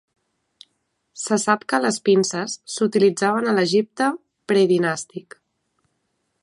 Se sap que les pinces s'utilitzaven a l'Egipte predinàstic.